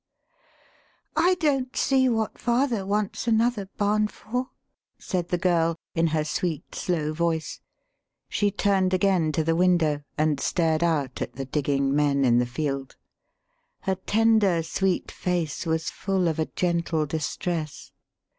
" I don't see what father wants another barn for;" said the girl, in her sweet, slow voice. She turned again to the window and stared out at the digging men in the field. Her tender, sweet face was full of a gentle distress.